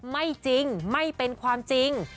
ไม่จริงไม่เป็นความจริง